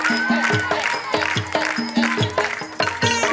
โอเค